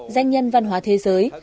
danh nhân văn hóa thế giới